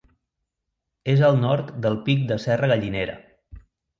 És al nord del Pic de Serra Gallinera.